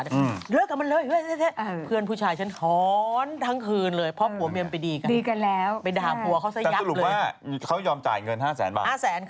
เราก็ไม่ต้องขึ้นสารก็จ่ายกันหน้าสาร